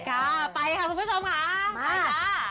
ค่ะไปค่ะคุณผู้ชมค่ะไปจ้า